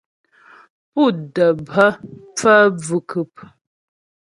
Pú də́ bhə phə́ bvʉ̀khʉm.